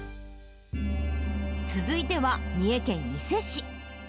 続いては、三重県伊勢市。